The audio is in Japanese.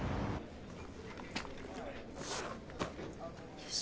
よし。